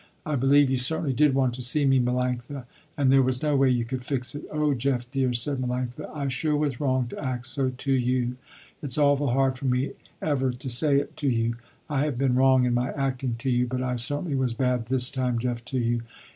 I believe you certainly did want to see me Melanctha, and there was no way you could fix it." "Oh Jeff dear," said Melanctha, "I sure was wrong to act so to you. It's awful hard for me ever to say it to you, I have been wrong in my acting to you, but I certainly was bad this time Jeff to you.